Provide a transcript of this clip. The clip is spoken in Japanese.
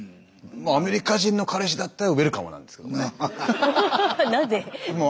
まあアメリカ人の彼氏だったらウエルカムなんですけどね。